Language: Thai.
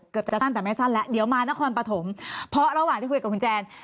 เกือบจะสั้นแต่ไม่สั้นแล้วเดี๋ยวมานครปฐมเพราะระหว่างที่คุยกับคุณแจน